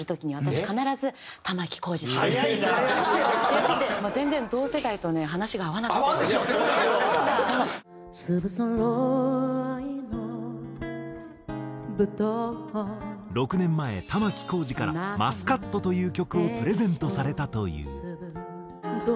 ６年前玉置浩二から『マスカット』という曲をプレゼントされたという。